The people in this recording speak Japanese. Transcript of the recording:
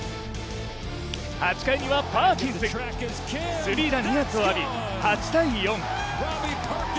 ８回にはパーキンス、スリーラン２発を浴び、８−４。